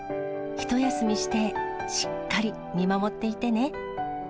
ひと休みして、しっかり見守っていてね。